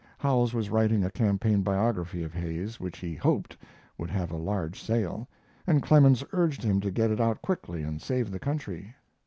Howells was writing a campaign biography of Hayes, which he hoped would have a large sale, and Clemens urged him to get it out quickly and save the country.